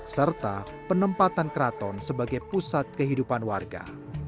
serta penempatan keraton sebagai pusat kehidupan warga